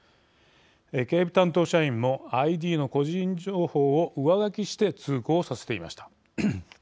警備担当社員もＩＤの個人情報を上書きして通行させていました。